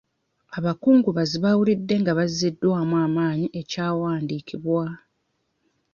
Abakungubazi baawulidde nga bazziddwamu amaanyi ekyawandiikibwa.